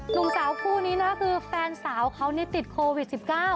หนุ่มสาวคู่นี้นะคือแฟนสาวเขาติดโควิด๑๙